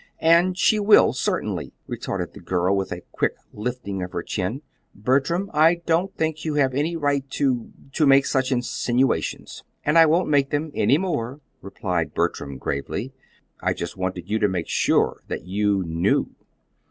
"And she will, certainly," retorted the girl, with a quick lifting of her chin. "Bertram, I don't think you have any right to to make such insinuations." "And I won't make them any more," replied Bertram, gravely. "I just wanted you to make sure that you knew."